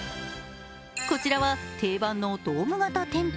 こちらは定番のドーム型テント。